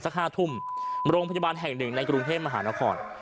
๕ทุ่มโรงพยาบาลแห่งหนึ่งในกรุงเทพมหานคร